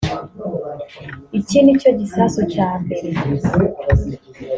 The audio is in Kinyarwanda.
Icyo ni cyo gisasu cya mbere